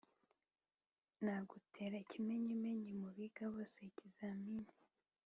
nagutera ikimenyimenyi mu biga bose-ikizamini.